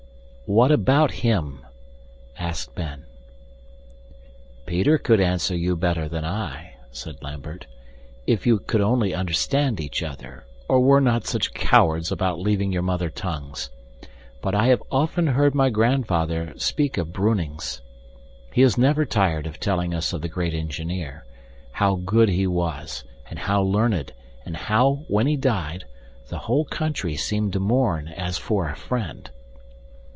"What about HIM?" asked Ben. "Peter could answer you better than I," said Lambert, "if you could only understand each other, or were not such cowards about leaving your mother tongues. But I have often heard my grandfather speak of Brunings. He is never tired of telling us of the great engineer how good he was and how learned and how, when he died, the whole country seemed to mourn as for a friend.